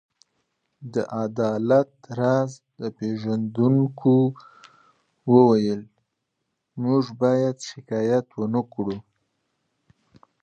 د عدالت راز پيژندونکو وویل: موږ باید شکایت ونه کړو.